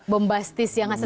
bombastis yang sesaat